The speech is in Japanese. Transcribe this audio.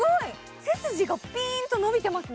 背筋がピーンと伸びてますね。